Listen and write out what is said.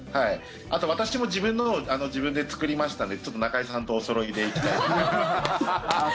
あと、私も自分のを自分で作りましたので中居さんとおそろいでいきたいと思います。